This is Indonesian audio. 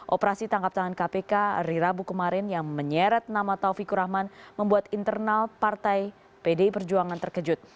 operasi tangkap tangan kpk rirabu kemarin yang menyeret nama taufikur rahman membuat internal partai pdi perjuangan terkejut